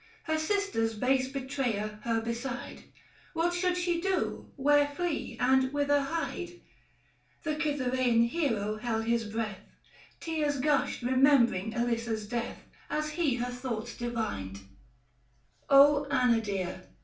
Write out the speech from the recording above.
Her sister's base betrayer her beside — What should she do, where flee, and whither hide ? The Cythereian hero held his breath ; 655 Tears gushed remembering Elissa's death As he her thoughts divined : "0 Anna dear